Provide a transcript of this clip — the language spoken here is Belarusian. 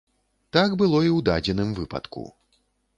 Так было і ў дадзеным выпадку.